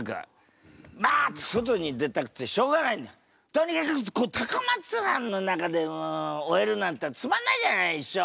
とにかく高松藩の中で終えるなんてつまんないじゃない一生。